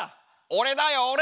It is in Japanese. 俺だよ俺！